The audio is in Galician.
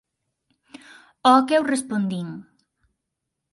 Ao que eu respondín: